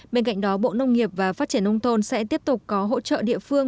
bên cạnh đó bộ nông nghiệp và phát triển nông thôn sẽ tiếp tục có hỗ trợ địa phương